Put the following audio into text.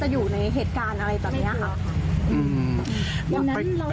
ไม่รู้ที่หลังแล้ว